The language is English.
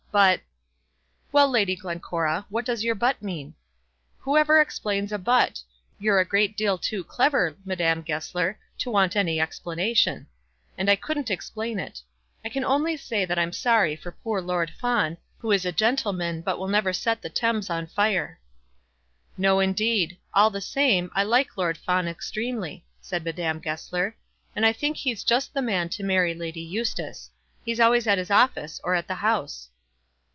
But " "Well, Lady Glencora. What does your 'but' mean?" "Who ever explains a 'but'? You're a great deal too clever, Madame Goesler, to want any explanation. And I couldn't explain it. I can only say I'm sorry for poor Lord Fawn, who is a gentleman, but will never set the Thames on fire." "No, indeed. All the same, I like Lord Fawn extremely," said Madame Goesler, "and I think he's just the man to marry Lady Eustace. He's always at his office or at the House."